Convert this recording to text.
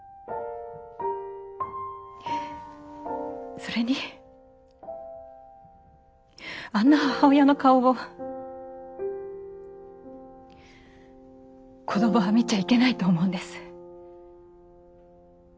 それにあんな母親の顔を子どもは見ちゃいけないと思うんです。